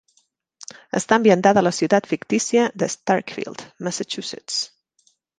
Està ambientada a la ciutat fictícia de Starkfield, Massachusetts.